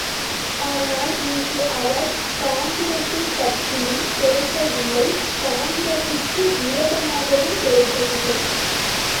ஆனால் இன்று அவர் காங்கிரசைப் பற்றியும் பேசவில்லை, காங்கிரசுக்கு விரோதமாகவும் பேசவில்லை.